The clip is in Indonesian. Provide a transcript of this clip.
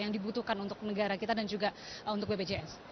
yang dibutuhkan untuk negara kita dan juga untuk bpjs